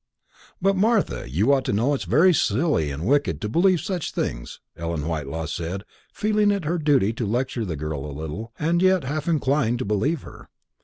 "But, Martha, you ought to know it's very silly and wicked to believe in such things," Ellen Whitelaw said, feeling it her duty to lecture the girl a little, and yet half inclined to believe her.